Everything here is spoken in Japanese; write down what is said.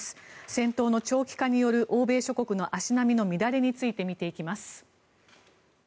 戦闘の長期化による欧米諸国の足並みの乱れについて見ていきます。